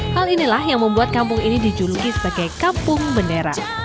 hal inilah yang membuat kampung ini dijuluki sebagai kampung bendera